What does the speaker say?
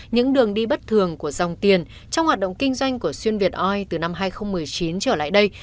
những đường đi bất thường của dòng tiền trong hoạt động kinh doanh của xuyên việt oi từ năm hai nghìn một mươi chín trở lại đây